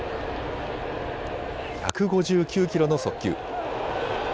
１５９キロの速球。